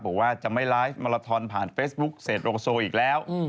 บอกว่าจะไม่ไลฟ์มาลาทอนผ่านเฟซบุ๊คเศษโลโซอีกแล้ว